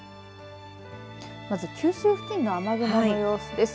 まず九州付近の雨雲の様子です。